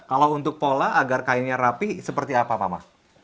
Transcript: kalau untuk pola agar kainnya rapi seperti apa mama